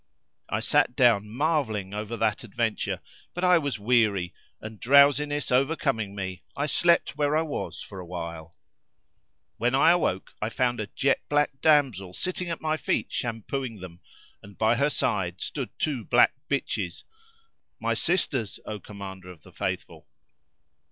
I sat down marvelling over that adventure, but I was weary and, drowsiness overcoming me, I slept where I was for a while. When I awoke I found a jet black damsel sitting at my feet shampooing them; and by her side stood two black bitches (my sisters, O Commander of the Faithful!).